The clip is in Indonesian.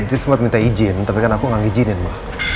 ya dia sempet minta izin tapi kan aku gak ngijinin ma